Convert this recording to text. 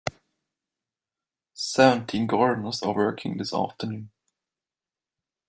Seventeen gardeners are working this afternoon.